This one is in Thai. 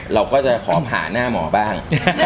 เราก็จะขอผ่าหน้าหมอบ้าง